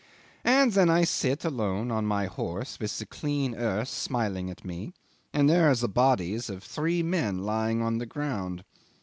And then I sit alone on my horse with the clean earth smiling at me, and there are the bodies of three men lying on the ground.